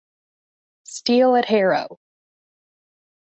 Steel at Harrow.